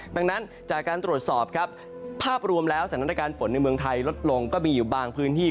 ดังนั้นจากการตรวจสอบครับภาพรวมแล้วสถานการณ์ฝนในเมืองไทยลดลงก็มีอยู่บางพื้นที่